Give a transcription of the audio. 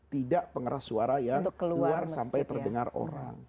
tidak pengeras suara yang luar sampai terdengar orang